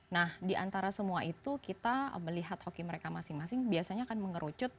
nah di antara semua itu kita melihat hoki mereka masing masing biasanya kan mengerucut